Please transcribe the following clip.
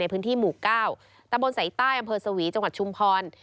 พื้นที่หมู่๙ตำบลสายใต้อำเภอสวีจังหวัดชุมพร